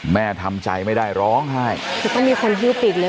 ทำใจไม่ได้ร้องไห้คือต้องมีคนฮิ้วปิดเลย